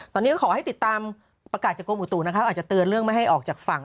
ตอนนี้ก็ขอให้ติดตามประกาศจากกรมอุตุนะคะอาจจะเตือนเรื่องไม่ให้ออกจากฝั่ง